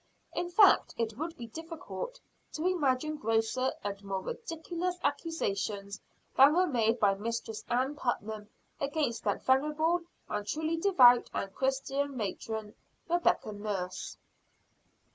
In fact, it would be difficult to imagine grosser and more ridiculous accusations than were made by Mistress Ann Putnam against that venerable and truly devout and Christian matron, Rebecca Nurse.